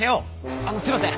あのすいません！